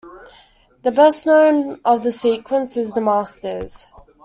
The best-known of the sequence is "The Masters".